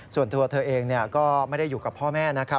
ส่วนตัวเธอเองก็ไม่ได้อยู่กับพ่อแม่นะครับ